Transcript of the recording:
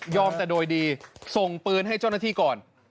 แต่โดยดีส่งปืนให้เจ้าหน้าที่ก่อน